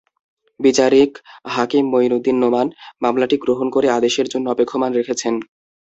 বিচারিক হাকিম মঈনুদ্দিন নোমান মামলাটি গ্রহণ করে আদেশের জন্য অপেক্ষমাণ রেখেছেন।